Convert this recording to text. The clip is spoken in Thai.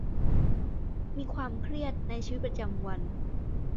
มีความเครียดในชีวิตประจำวัน